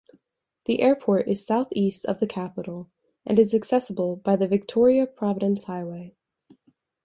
The airport is southeast of the capital and is accessible by the Victoria-Providence Highway.